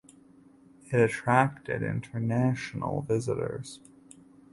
It attracted international visitors.